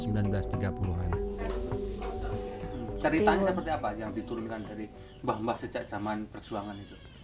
ceritanya seperti apa yang diturunkan dari mbah mbah sejak zaman perjuangan itu